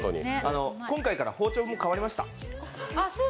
今回から包丁も変わりました。